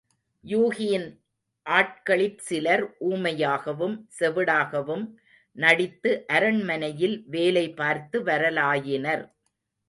யூகியின் ஆட்களிற் சிலர் ஊமையாகவும், செவிடாகவும் நடித்து அரண்மனையில் வேலை பார்த்து வரலாயினர்.